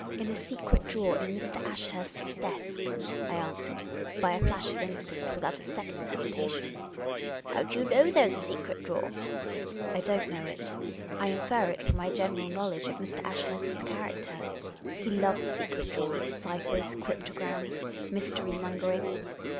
" In a secret drawer in Mr. Ashurst's desk," I answered, by a flash of instinct, without a second's hesitation. " How do you know there 's a secret drawer ?"" I don't know it. I infer it from my general knowledge of Mr. Ashurst's character. He loved secret drawers, ciphers, cryptograms, mystery mongering."